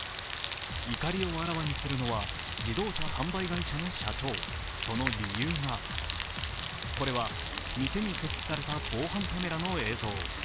怒りをあらわにするのは自動車販売会社の社長、その理由がこれは、店に設置された防犯カメラの映像。